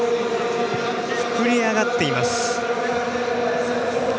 膨れ上がっています。